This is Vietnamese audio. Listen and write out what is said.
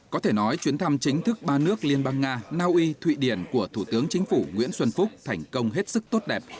có thể nói chuyến thăm chính thức ba nước liên bang nga naui thụy điển của thủ tướng chính phủ nguyễn xuân phúc thành công hết sức tốt đẹp